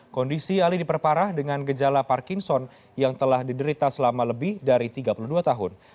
kondisi ali diperparah dengan gejala parkinson yang telah diderita selama lebih dari tiga puluh dua tahun